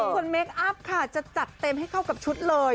ส่วนเมคอัพค่ะจะจัดเต็มให้เข้ากับชุดเลย